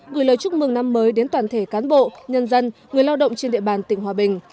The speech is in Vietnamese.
gửi lời chúc mừng năm mới đến toàn thể cán bộ nhân dân người lao động trên địa bàn tỉnh hòa bình